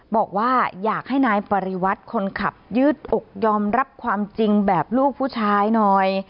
บอกว่าอยากให้นายปริวัติคนขับยืดอกยอมรับความจริงแบบลูกผู้ชายหน่อย